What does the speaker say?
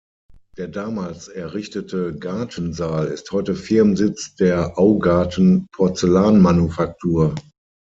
Der damals errichtete Gartensaal ist heute Firmensitz der Augarten-Porzellanmanufaktur.